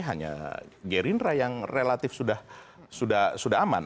hanya gerindra yang relatif sudah aman